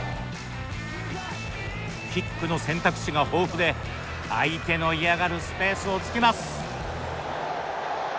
キックの選択肢が豊富で相手の嫌がるスペースを突きます。